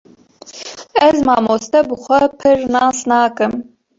Ez mamoste bi xwe pir nas nakim